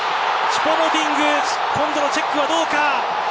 チュポ・モティング今度のチェックはどうか？